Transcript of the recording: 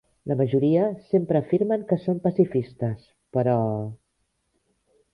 La majoria sempre afirmen que són pacifistes, PERÒ...